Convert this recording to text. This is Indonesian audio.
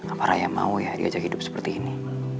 apa raya mau ya diajak hidup seperti ini